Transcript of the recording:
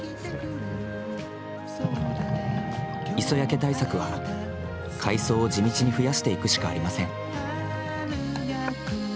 磯焼け対策は海藻を地道に増やしていくしかありません。